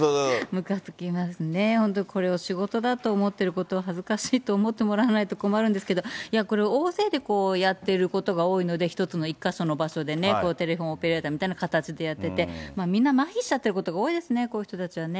むかつきますね、本当、これを仕事だと思ってることを、恥ずかしいと思ってもらわないと困るんですけど、これ、大勢でやってることが多いので、１つの１か所の場所で、テレフォンオペレーターみたいな形でやってて、みんな、まひしちゃってることが多いですね、こういう人たちはね。